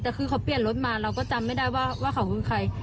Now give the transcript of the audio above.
แต่คือเขาเปลี่ยนรถมาเราก็จำไม่ได้ว่าเขาคือใคร